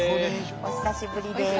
お久しぶりです。